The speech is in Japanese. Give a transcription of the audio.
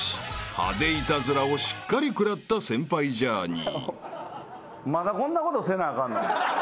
［派手イタズラをしっかり食らった先輩ジャーニー］